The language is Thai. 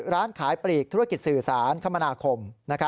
ร้านขายปลีกธุรกิจสื่อสารคมนาคม